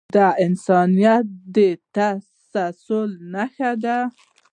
دا د انسانیت د تسلسل نښه ده.